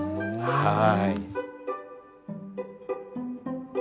はい。